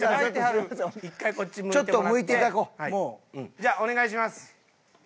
じゃあお願いします。